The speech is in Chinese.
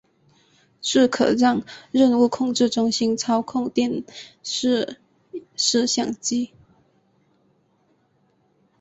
这可让任务控制中心操控电视摄像机。